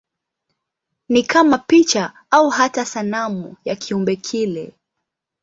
Ni kama picha au hata sanamu ya kiumbe kile.